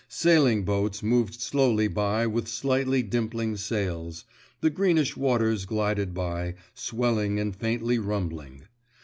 Sailing boats moved slowly by with slightly dimpling sails; the greenish waters glided by, swelling and faintly rumbling.